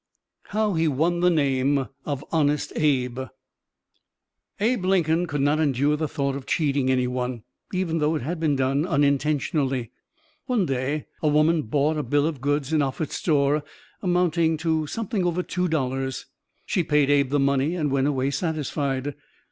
HOW HE WON THE NAME OF "HONEST ABE" Abe Lincoln could not endure the thought of cheating any one, even though it had been done unintentionally. One day a woman bought a bill of goods in Offutt's store amounting to something over two dollars. She paid Abe the money and went away satisfied.